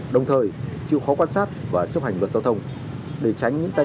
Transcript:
đồng thời chịu khó quan sát và chấp hành